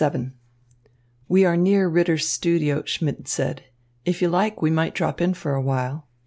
VII "We are near Ritter's studio," Schmidt said. "If you like, we might drop in for a while."